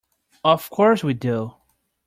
Of course we do.